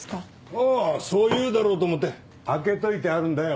あぁそう言うだろうと思って空けといてあるんだよ。